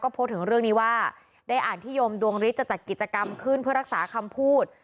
โพสต์ถึงเรื่องนี้ว่าได้อ่านนิยมดวงฤทธิจะจัดกิจกรรมขึ้นเพื่อรักษาคำพูด